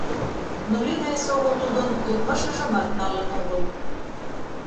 Но Лена эсогыл тудын йодмашыжымат налын огыл.